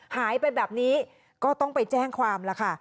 หายไปแบบนี้ก็ต้องไปแจ้งความแล้วค่ะ